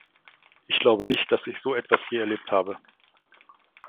Ich glaube nicht, dass ich so etwas je erlebt habe.